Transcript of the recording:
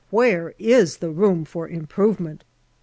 Where is the room for improvement